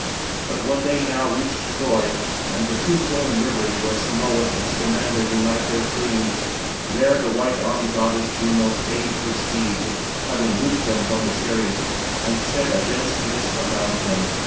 But when they now reached Troy, and the two flowing rivers, where Simois and Scamander unite their streams, there the white armed goddess Juno stayed her steeds, having loosed them from the chariot, and shed a dense mist around them.